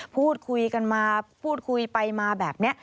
พูดคุยไปมาแบบนี้